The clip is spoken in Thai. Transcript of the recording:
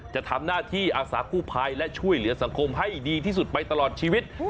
จะทำหน้าที่อาสากู้ภัยและช่วยเหลือสังคมให้ดีที่สุดไปตลอดชีวิต